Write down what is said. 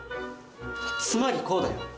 つまりこうだよ。